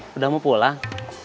sudah mau pulang